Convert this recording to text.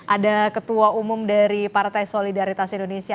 ada ketua umum dari partai solidaritas indonesia